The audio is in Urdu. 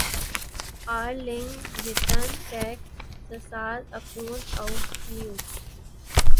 Arlington Texas Akron Ohio